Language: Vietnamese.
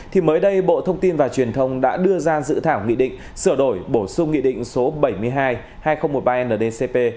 thì mới đây bộ thông tin và truyền thông đã đưa ra dự thảo nghị định sửa đổi bổ sung nghị định số bảy mươi hai hai nghìn một mươi ba ndcp